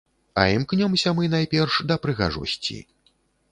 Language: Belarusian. А імкнёмся мы, найперш, да прыгажосці.